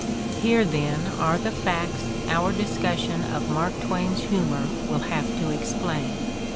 Here, then, are the facts our discussion of Mark Twain's humor will have to explain.